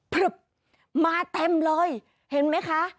มาเต็มเลยเห็นไหมคะ